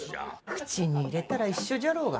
口に入れたら一緒じゃろうが。